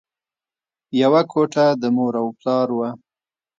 یوه کوټه د مور او پلار وه